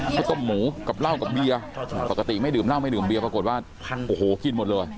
ก็ต้มหมูกับล่าวกับเบียร์ปกติไม่ดื่มล่าวไม่ดื่มเบียร์ปรากฏว่าทานกินหมดเลย